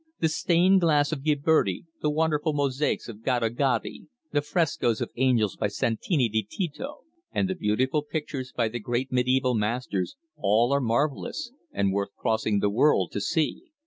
The stained glass of Ghiberti, the wonderful mosaics of Gaddo Gaddi, the frescoes of angels by Santi di Tito, and the beautiful pictures by the great mediæval masters, all are marvellous, and worth crossing the world to see.